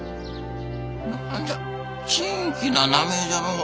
何じゃ珍奇な名前じゃのう。